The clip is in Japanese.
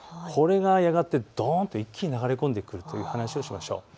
これがやがて一気に流れ込んでくるという話をしましょう。